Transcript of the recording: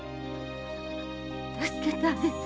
助けてあげて！